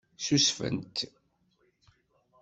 Ssusfent.